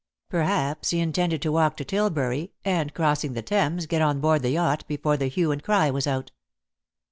Perhaps he intended to walk to Tilbury, and crossing the Thames get on board the yacht before the hue and cry was out.